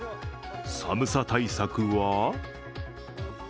寒さ対策は？